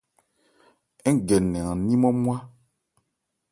Ń gɛ nnɛn an ní nmwá-nmwá.